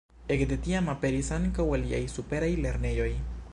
Ekde tiam aperis ankaŭ aliaj superaj lernejoj.